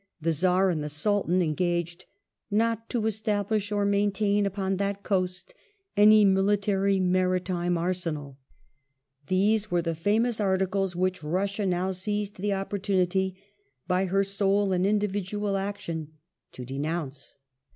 the Czar and the Sultan engaged " not to establish or main tain upon that coast any military maritime arsenal ". These were the famous articles which Russia now seized the opportunity, by her sole and individual action, to denounce.